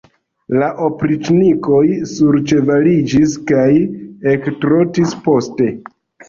La opriĉnikoj surĉevaliĝis kaj ektrotis poste.